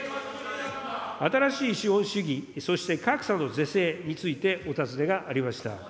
新しい資本主義、そして格差の是正についてお尋ねがありました。